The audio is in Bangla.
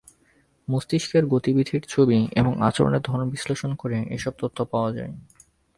মস্তিষ্কের গতিবিধির ছবি এবং আচরণের ধরন বিশ্লেষণ করে এসব তথ্য পাওয়া যায়।